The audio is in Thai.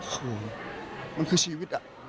โอ้โหมันคือชีวิตอะ